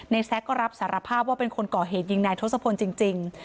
แซ็กก็รับสารภาพว่าเป็นคนก่อเหตุยิงนายทศพลจริง